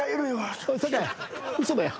おい酒井嘘だよ。